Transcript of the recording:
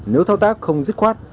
nếu thao tác không dứt khoát